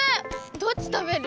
どっち食べる？